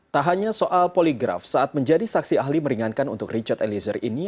tak hanya soal poligraf saat menjadi saksi ahli meringankan untuk richard eliezer ini